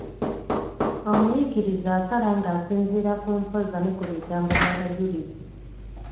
Omuyigiriza asala ng'asinziira ku mpoza ne ku bigambo by'abajulizi.